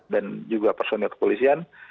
dan juga personil kepolisian